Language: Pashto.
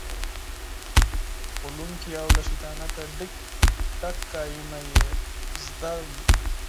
غولونکې او له شیطانت ډکې خبرې یې زده وي.